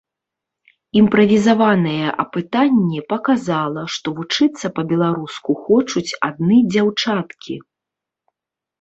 Імправізаванае апытанне паказала, што вучыцца па-беларуску хочуць адны дзяўчаткі.